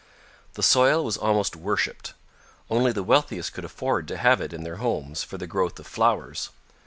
The soil was almost worshiped. Only the wealthiest could afford to have it in their homes for the growth of flowers.